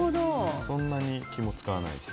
そんなに気も使わないし。